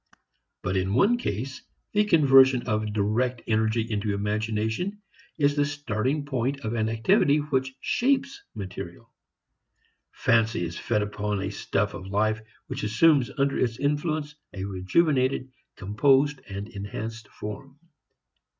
But in one case the conversion of direct energy into imagination is the starting point of an activity which shapes material; fancy is fed upon a stuff of life which assumes under its influence a rejuvenated, composed and enhanced form.